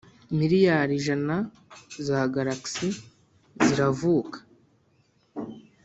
miliyari ijana za galaxy ziravuka